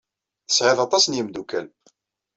Tesɛiḍ aṭas n yimeddukal.